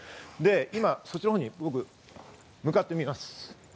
今、そっちの方に僕、向かってます。